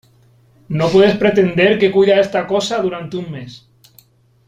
no puedes pretender que cuide a esta cosa durante un mes ;